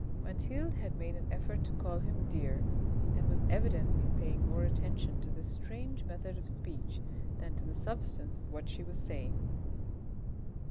Mathilde had to make an effort to call him " dear," and was evidently paying more attention to this strange method of speech than to the substance of what she was saying.